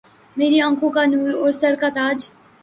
میری آنکهون کا نور أور سر کا تاج